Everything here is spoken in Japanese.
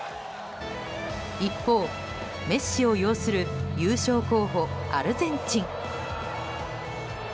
一方、メッシを擁する優勝候補アルゼンチン。